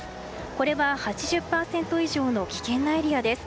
これは８０％以上の危険なエリアです。